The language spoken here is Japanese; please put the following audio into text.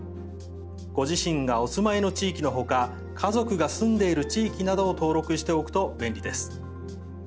ご自身がお住まいの地域の他家族が住んでいる地域などを登録しておくと便利です。